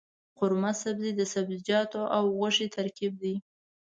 قورمه سبزي د سبزيجاتو او غوښې ترکیب دی.